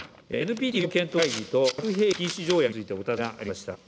ＮＰＴ運用検討会議と核兵器禁止条約についてお尋ねがありました。